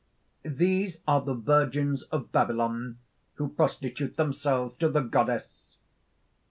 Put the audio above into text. "These are the virgins of Babylon, who prostitute themselves to the goddess."